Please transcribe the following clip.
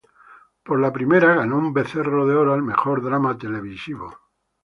Por la primera, ganó un Becerro de Oro al mejor drama televisivo.